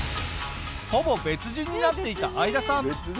ほぼ別人になっていたアイダさん。